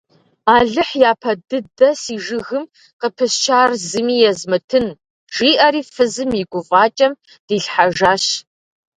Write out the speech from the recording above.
Алыхь япэ дыдэ си жыгым къыпысчар зыми езмытын, – жиӏэри фызым и гуфӏакӏэм дилъхьэжащ.